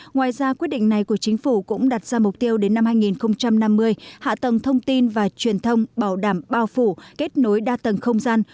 ngoài ra quyết định này của chính phủ cũng đặt ra mục tiêu đến năm hai nghìn năm mươi hạ tầng thông tin và truyền thông bảo đảm bao phủ kết nối đa tầng không gian